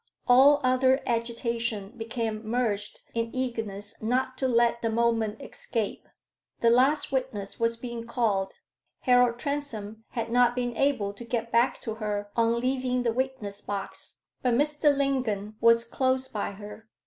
All other agitation became merged in eagerness not to let the moment escape. The last witness was being called. Harold Transome had not been able to get back to her on leaving the witness box, but Mr. Lingon was close by her.